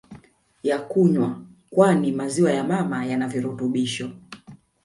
ya kunywa kwani maziwa ya mama yanavirutubisho